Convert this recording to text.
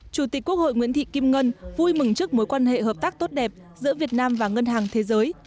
chủ tịch quốc hội nguyễn thị kim ngân vui mừng trước mối quan hệ hợp tác tốt đẹp giữa việt nam và ngân hàng thế giới